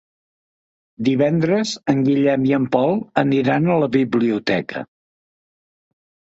Divendres en Guillem i en Pol iran a la biblioteca.